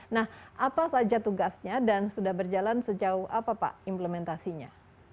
nah apa saja tugasnya dan sudah berjalan sejauh apa pak implementasinya